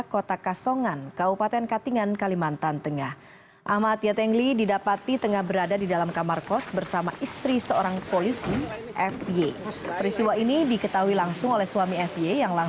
kota kasongan kabupaten katingan kalimantan tengah